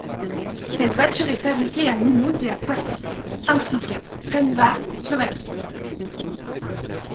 Cette voiture est fabriquée à Mulhouse et à Poissy, ainsi qu'à Trnava en Slovaquie.